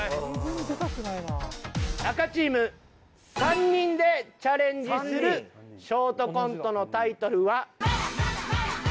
赤チーム３人でチャレンジするショートコントのタイトルは。